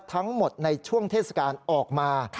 ทั้งหมดในช่วงเทศกาลออกมา